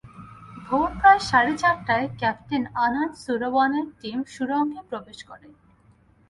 ভোর প্রায় সাড়ে চারটায় ক্যাপ্টেন আনান সুরাওয়ানের টিম সুড়ঙ্গে প্রবেশ করে।